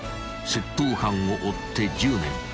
窃盗犯を追って１０年］